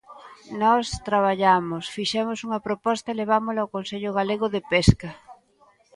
Nós traballamos, fixemos unha proposta e levámola ao Consello Galego de Pesca.